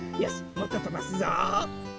もっととばすぞ。